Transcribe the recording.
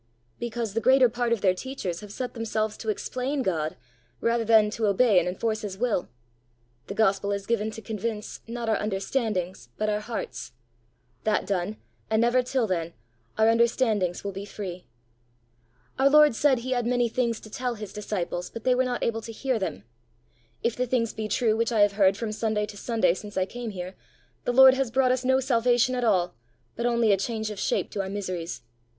"Because the greater part of their teachers have set themselves to explain God rather than to obey and enforce his will. The gospel is given to convince, not our understandings, but our hearts; that done, and never till then, our understandings will be free. Our Lord said he had many things to tell his disciples, but they were not able to hear them. If the things be true which I have heard from Sunday to Sunday since I came here, the Lord has brought us no salvation at all, but only a change of shape to our miseries.